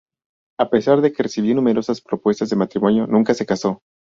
A pesar de que recibió numerosas propuestas de matrimonio, nunca se casó.